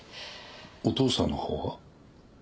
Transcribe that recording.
お父さんのほうは？